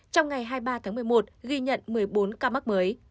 trong ngày hai mươi ba tháng một mươi một ghi nhận một mươi bốn ca mắc mới